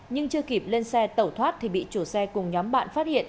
nhưng chưa kịp lên xe tẩu thoát thì bị chủ xe cùng nhóm bạn phát hiện